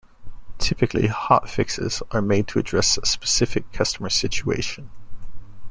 Typically, hotfixes are made to address a specific customer situation.